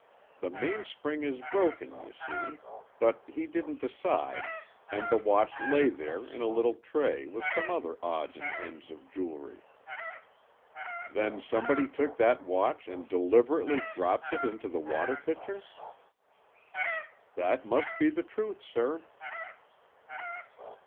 The mainspring is broken, you see. But he didn't decide, and the watch lay there, in a little tray, with some other odds and ends of jewellery." "Then, somebody took that watch and deliberately dropped it into the water pitcher?" "That must be the truth, sir."